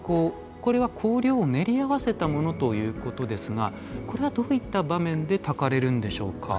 これは香料を煉り合せたものということですがこれは、どういった場面でたかれるんでしょうか？